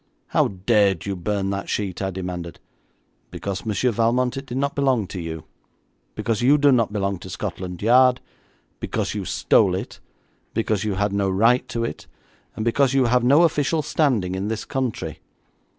'How dared you burn that sheet?' I demanded. 'Because, Monsieur Valmont, it did not belong to you; because you do not belong to Scotland Yard; because you stole it; because you had no right to it; and because you have no official standing in this country.